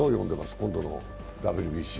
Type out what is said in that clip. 今度のＷＢＣ。